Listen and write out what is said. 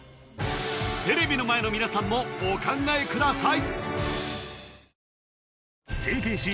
テレビの前の皆さんもお考えください